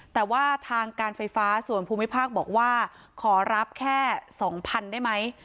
แต่ว่าทางการไฟฟ้าส่วนภูมิภาคบอกว่าขอรับแค่๒๐๐๐ได้ไหม